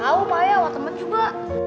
tau payah sama temen juga